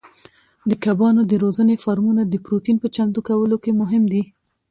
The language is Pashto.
د کبانو د روزنې فارمونه د پروتین په چمتو کولو کې مهم دي.